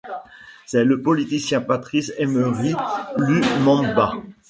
C'est le politicien Patrice-Emery Lumumba.